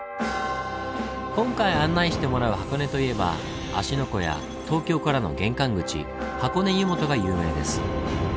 今回案内してもらう箱根といえば芦ノ湖や東京からの玄関口箱根湯本が有名です。